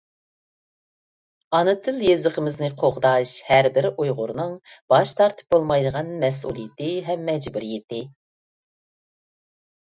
ئانا تىل-يېزىقىمىزنى قوغداش — ھەربىر ئۇيغۇرنىڭ باش تارتىپ بولمايدىغان مەسئۇلىيىتى ھەم مەجبۇرىيىتى.